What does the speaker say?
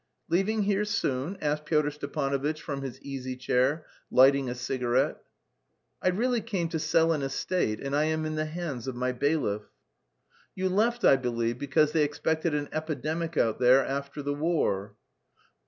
"Leaving here soon?" asked Pyotr Stepanovitch from his easy chair, lighting a cigarette. "I really came to sell an estate and I am in the hands of my bailiff." "You left, I believe, because they expected an epidemic out there after the war?"